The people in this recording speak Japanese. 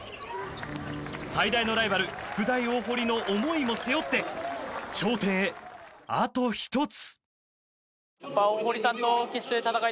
最大のライバル、福岡大濠の思いも背負って頂点へ、あと１つ。